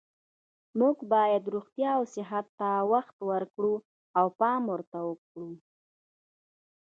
موږ باید روغتیا او صحت ته وخت ورکړو او پام ورته کړو